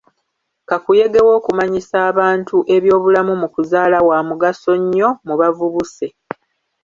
Kakuyege w'okumanyisa abantu ebyobulamu mu kuzaala wa mugaso nnyo mu bavubuse.